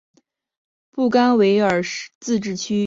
布干维尔自治区是巴布亚新几内亚唯一的自治区。